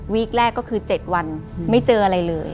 แรกก็คือ๗วันไม่เจออะไรเลย